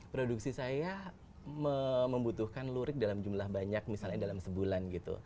produksi saya membutuhkan lurik dalam jumlah banyak misalnya dalam sebulan gitu